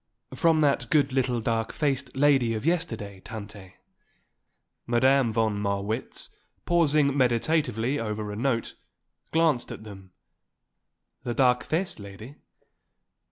"From that good little dark faced lady of yesterday, Tante." Madame von Marwitz, pausing meditatively over a note, glanced at them. "The dark faced lady?"